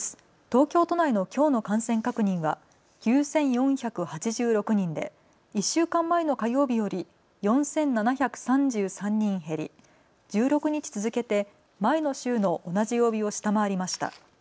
東京都内のきょうの感染確認は９４８６人で１週間前の火曜日より４７３３人減り１６日続けて前の週の同じ曜日を下回りました。